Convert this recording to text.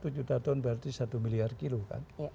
satu juta ton berarti satu miliar kilo kan